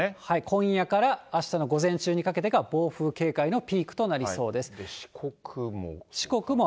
今夜からあしたの午前中にかけてが暴風警戒のピークとなりそ四国も。